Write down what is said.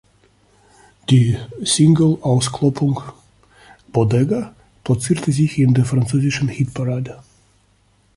Die Single-Auskopplung „Bodega“ platzierte sich in der französischen Hitparade.